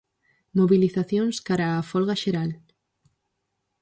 Mobilizacións cara á folga xeral?